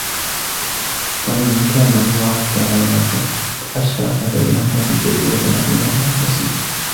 وَإِنْ كَانَ اللَّهُ تَعَالَى قَدْ أَشْرَكَ بَيْنَهُمَا فِي الْبِرِّ وَجَمَعَ بَيْنَهُمَا فِي الْوَصِيَّةِ